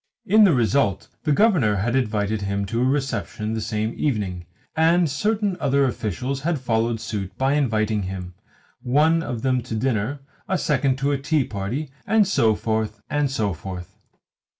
In the result the Governor had invited him to a reception the same evening, and certain other officials had followed suit by inviting him, one of them to dinner, a second to a tea party, and so forth, and so forth.